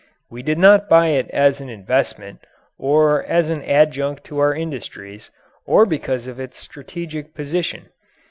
We did not buy it as an investment, or as an adjunct to our industries, or because of its strategic position.